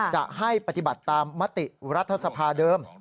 จะให้ปฏิบัติตามมติรัฐสภาเดิม